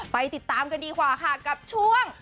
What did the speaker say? ติดตามกันดีกว่าค่ะกับช่วง